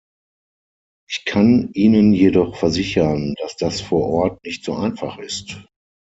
Ich kann Ihnen jedoch versichern, dass das vor Ort nicht so einfach ist.